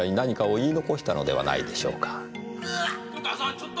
ちょっと！